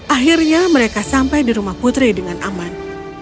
akhirnya mereka sampai di rumah putri dengan aman